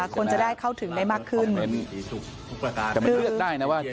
คนจะได้เข้าถึงแล้วค่ะ